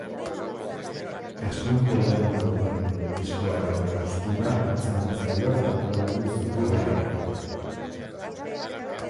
Eskuin belauneko barne meniskoaren haustura antzeman zaio jokalari zuri-gorriari.